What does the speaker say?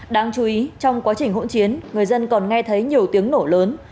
đáng chú ý trong quá trình hỗn chiến người dân còn nghe thấy nhiều tiếng nổ lớn